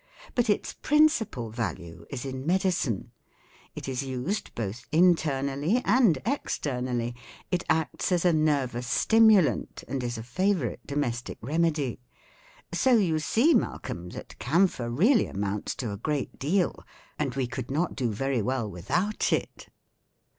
But its principal value is in medicine. It is used both internally and externally. It acts as a nervous stimulant, and is a favorite domestic remedy. So you see, Malcolm, that camphor really amounts to a great deal, and we could not very well do without it."